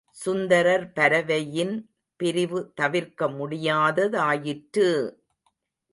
சுந்தரர் பரவையின் பிரிவு தவிர்க்க முடியாததாயிற்று!